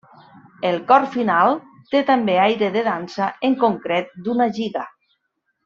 El cor final té també aire de dansa, en concret d'una giga.